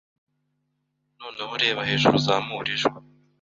Noneho reba hejuru uzamure ijwi